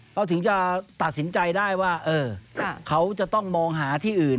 เขาถึงจะตัดสินใจได้ว่าเขาจะต้องมองหาที่อื่น